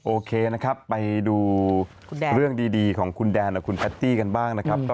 โอเคนะครับไปดูเรื่องดีของคุณแดนกับคุณแพตตี้กันบ้างนะครับ